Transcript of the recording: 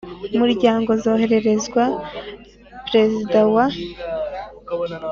muryango zohererezwa Perezida wa